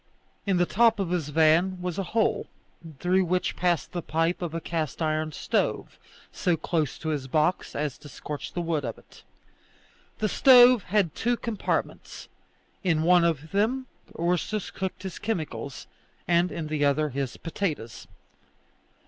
In the top of his van was a hole, through which passed the pipe of a cast iron stove; so close to his box as to scorch the wood of it. The stove had two compartments; in one of them Ursus cooked his chemicals, and in the other his potatoes.